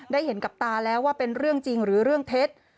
ได้เห็นกับตาแล้วว่าเป็นเรื่องจริงหรือเรื่องเท็จ